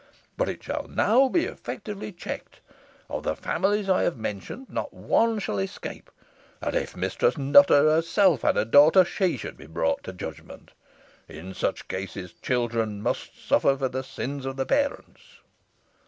But it shall now be effectually checked. Of the families I have mentioned, not one shall escape; and if Mistress Nutter herself had a daughter, she should be brought to judgment. In such cases, children must suffer for the sins of the parents."